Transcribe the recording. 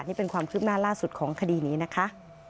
นี่เป็นความคืบหน้าล่าสุดของคดีนี้นะคะ